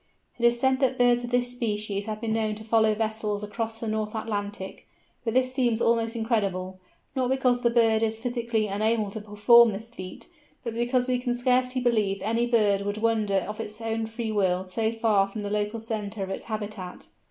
It is said that birds of this species have been known to follow vessels across the North Atlantic, but this seems almost incredible—not because the bird is physically unable to perform the feat, but because we can scarcely believe any bird would wander of its own free will so far from the local centre of its habitat.